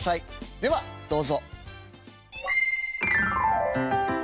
ではどうぞ。